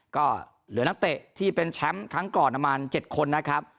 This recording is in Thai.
ก็เหลือนักเตะที่เป็นแชมป์ครั้งก่อนประมาณ๗คนนะครับ